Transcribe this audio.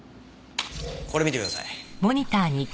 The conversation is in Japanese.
これ見てください。